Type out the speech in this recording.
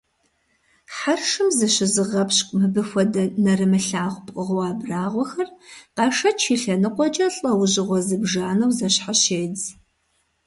Хьэршым зыщызыгъэпщкIу мыбы хуэдэ нэрымылъагъу пкъыгъуэ абрагъуэхэр, къашэч и лъэныкъуэкIэ, лIэужьыгъуэ зыбжанэу зэщхьэщедз.